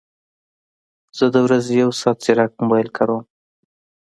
زه د ورځې یو ساعت ځیرک موبایل کاروم